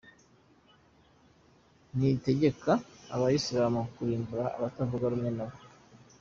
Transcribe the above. Ntitegeka Abayisiramu kurimbura abatavuga rumwe nabo.